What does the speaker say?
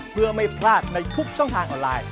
เพื่อไม่พลาดในทุกช่องทางออนไลน์